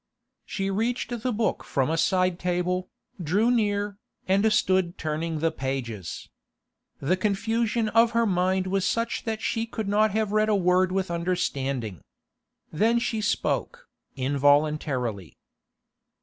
She reached the book from a side table, drew near, and stood turning the pages. The confusion of her mind was such that she could not have read a word with understanding. Then she spoke, involuntarily.